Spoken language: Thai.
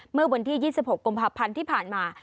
เมื่อบนที่๒๖กลมพับพันธุ์ที่ผ่านมา